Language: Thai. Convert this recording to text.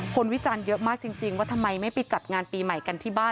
วิจารณ์เยอะมากจริงว่าทำไมไม่ไปจัดงานปีใหม่กันที่บ้าน